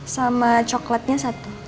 sama coklatnya satu